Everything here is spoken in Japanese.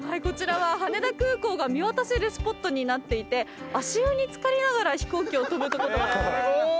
こちらは羽田空港が見渡せるスポットになっていて足湯に漬かりながら飛行機を。